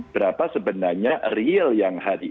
berapa sebenarnya real yang hari ini